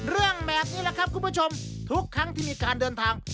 เรื่องแบบนี้แหละครับคุณผู้ชมทุกครั้งที่มีการเดินทาง